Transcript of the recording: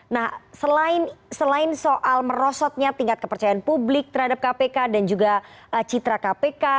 nah selain soal merosotnya tingkat kepercayaan publik terhadap kpk dan juga citra kpk